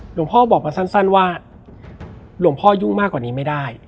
หลวงพ่อบอกมาสั้นว่าหลวงพ่อยุ่งมากกว่านี้ไม่ได้